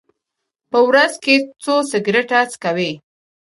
په ورځ کې څو سګرټه څکوئ؟